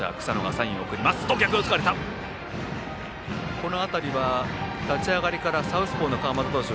この辺りは立ち上がりからサウスポーの川又投手